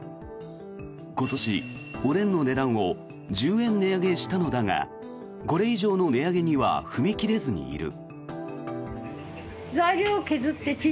今年、おでんの値段を１０円値上げしたのだがこれ以上の値上げには踏み切れずにいる。